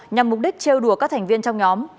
nhằm mục đích trêu đùa các thành viên trong nhóm